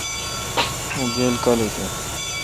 اں گیل کالیک این۔